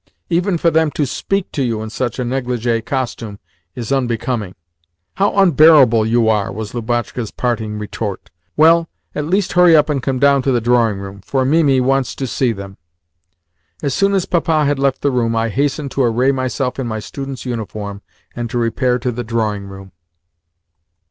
Even for them to SPEAK to you in such a neglige costume is unbecoming." "How unbearable you are!" was Lubotshka's parting retort. "Well, at least hurry up and come down to the drawing room, for Mimi wants to see them." As soon as Papa had left the room, I hastened to array myself in my student's uniform, and to repair to the drawing room.